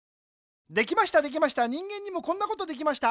できましたできました人間にもこんなことできました。